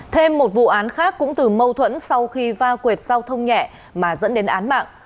thêm một vụ án khác cũng từ mâu thuẫn sau khi va quyệt giao thông nhẹ mà dẫn đến án mạng